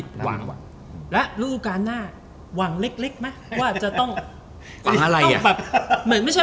ลูกอาการหน้าหวังเล็กมั้ย